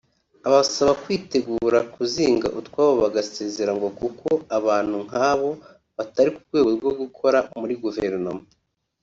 Abasaba kwitegura kuzinga utwabo bagasezera ngo kuko abantu nk’abo batari ku rwego rwo gukora muri guverinoma